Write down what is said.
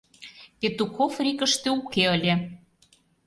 Петухов рикыште уке ыле.